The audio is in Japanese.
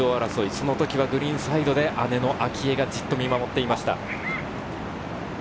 その時はグリーンサイドで姉の明愛が見守っていました。